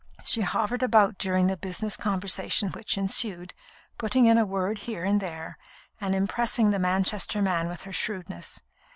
She hovered about during the business conversation which ensued, putting in a word here and there, and impressing the Manchester man with her shrewdness.